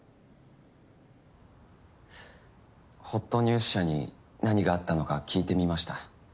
ほっとニュース社に何があったのか聞いてみました。